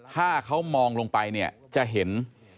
ถ้าเขามองลงไปจะเห็น